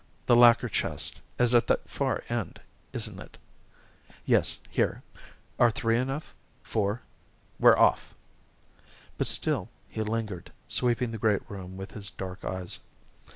The lacquer chest is at the far end, isn't it? Yes, here. Are three enough four? We're off!" But still he lingered, sweeping the great room with his dark eyes.